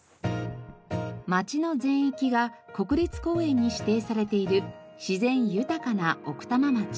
町の全域が国立公園に指定されている自然豊かな奥多摩町。